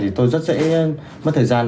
thì tôi rất dễ mất thời gian